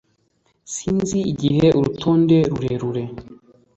Sinzi igihe urutonde rurerure